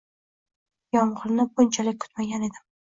Yomg'irni bunchalik kutmagan edim.